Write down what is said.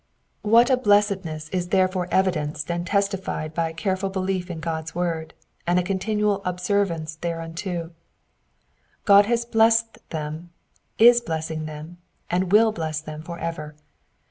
What a blessedness is therefore evidenced and testified by a careful belief in God^s word, and a continual obedience thereunto. God has blessed them, is blessing them, and will bless them for ever.